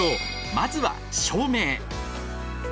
まずは、照明。